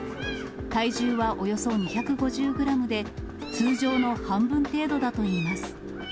体重はおよそ２５０グラムで、通常の半分程度だといいます。